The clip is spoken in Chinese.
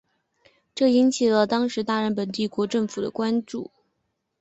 这引起了当时大日本帝国政府的关注。